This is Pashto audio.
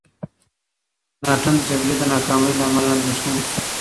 مکناتن د جګړې د ناکامۍ له امله اندېښمن شو.